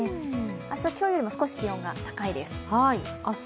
明日、今日よりも少し気温が高いです。